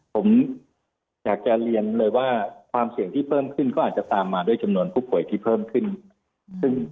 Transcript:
ผมอยากจะเรียนเลยว่าความเสี่ยงที่เพิ่มขึ้นก็อาจจะตามมาด้วยจำนวนผู้ป่วยที่เพิ่มขึ้น